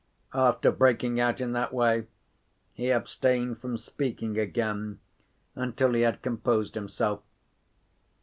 After breaking out in that way, he abstained from speaking again until he had composed himself.